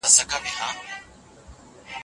کله له هدف پرته مزل یوازي د رواني ګمراهۍ لامل کېږي؟